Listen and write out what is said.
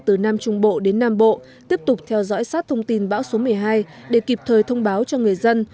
từ nam trung bộ đến nam bộ tiếp tục theo dõi sát thông tin bão số một mươi hai để kịp thời thông báo cho người dân